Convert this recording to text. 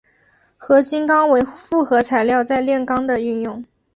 合金钢为复合材料在炼钢的运用。